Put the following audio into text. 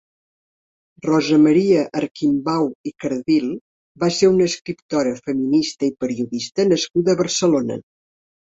Rosa Maria Arquimbau i Cardil va ser una escriptora feminista i periodista nascuda a Barcelona.